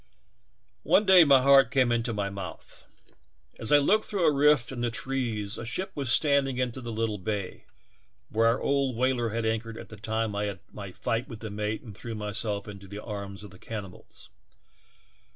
"One day my heart came into my mouth ! As I looked through a rift in the trees a ship was standing into the little bay where our old whaler had anchored at the time I had m^^ fight with the mate and threw myself into the arms of the can nibals.